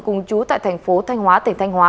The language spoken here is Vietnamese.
cùng chú tại thành phố thanh hóa tỉnh thanh hóa